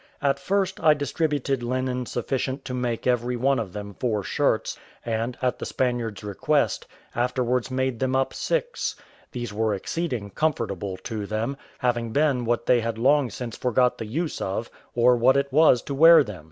As, first, I distributed linen sufficient to make every one of them four shirts, and, at the Spaniard's request, afterwards made them up six; these were exceeding comfortable to them, having been what they had long since forgot the use of, or what it was to wear them.